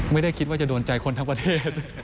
ไม่ได้คิดว่าจะโดนใจคนทั้งประเทศ